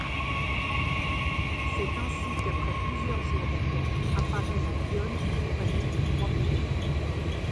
C'est ainsi, qu'après plusieurs jours d'attente, apparaît la lionne accompagnée de trois petits.